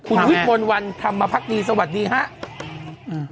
คุณฮิทมนวรพรรณธรรมภรรภัทธุ์หนีสวัสดีครับ